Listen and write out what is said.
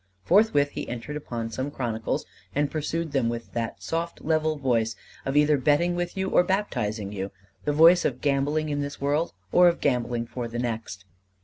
Forthwith he entered upon some chronicles and pursued them with that soft, level voice of either betting with you or baptizing you the voice of gambling in this world or of gambling for the next.